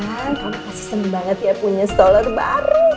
kamu pasti senang banget ya punya stoler baru